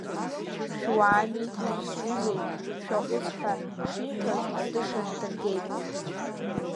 Шәуаами, шәызҿузеи, шәаҟәыҵ ҳәа шиҳәоз атышахь дыргеит…